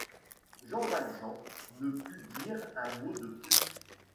Jean Valjean ne put dire un mot de plus.